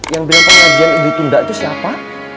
yang bilang pengajian ditunda itu siapa